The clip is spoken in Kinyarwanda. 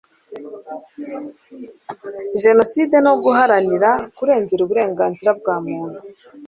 jenoside no guharanira kurengera uburenganzira bwa muntu